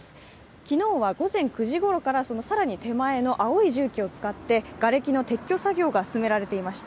昨日は午前９時ごろからその更に手前の青い重機を使ってがれきの撤去作業などが進められていました。